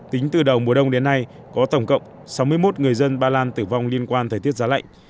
tính từ đầu mùa đông đến nay có tổng cộng sáu mươi một người dân ba lan tử vong liên quan thời tiết giá lạnh